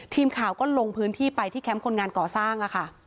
ทีมข่าวก็ลงพื้นที่ไปที่แคมป์คนงานก่อสร้างค่ะ